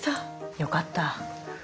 よかった。